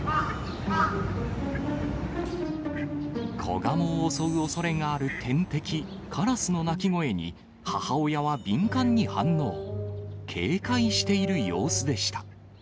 子ガモを襲うおそれがある天敵、カラスの鳴き声に、母親は敏感に反応、警戒している様子でした。